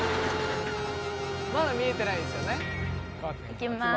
まだ見えてないですよねいきます